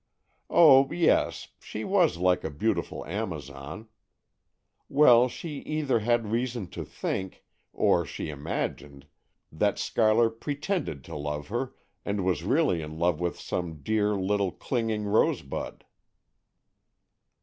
"Oh, yes; she was like a beautiful Amazon. Well, she either had reason to think, or she imagined, that Schuyler pretended to love her, and was really in love with some dear little clinging rosebud."